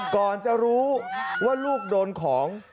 ก่อนจะรู้ว่าลูกโดนของ